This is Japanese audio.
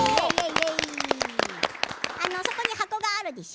そこに箱があるでしょ